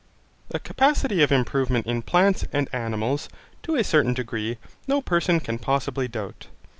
The capacity of improvement in plants and animals, to a certain degree, no person can possibly doubt.